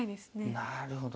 なるほど。